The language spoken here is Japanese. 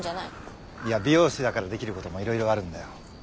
いや美容師だからできることもいろいろあるんだよ。